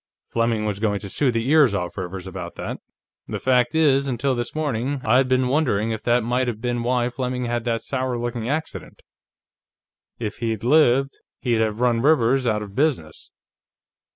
Fleming was going to sue the ears off Rivers about that; the fact is, until this morning, I'd been wondering if that mightn't have been why Fleming had that sour looking accident. If he'd lived, he'd have run Rivers out of business."